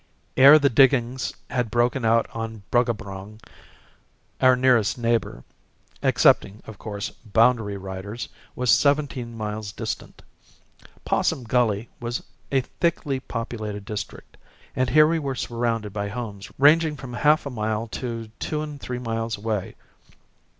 Ere the diggings had broken out on Bruggabrong, our nearest neighbour, excepting, of course, boundary riders, was seventeen miles distant. Possum Gully was a thickly populated district, and here we were surrounded by homes ranging from half a mile to two and three miles away.